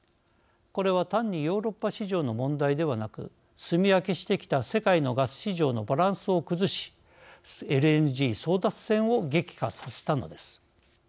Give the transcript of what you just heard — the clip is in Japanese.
これは単にヨーロッパ市場の問題ではなくすみ分けしてきた世界のガス市場のバランスを崩しＬＮＧ争奪戦を激化させたのです。